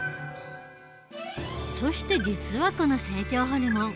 そして実はこの成長ホルモン